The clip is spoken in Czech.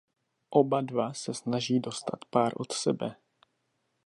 Oba dva se snaží dostat pár od sebe.